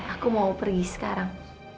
aku mau pergi sekarang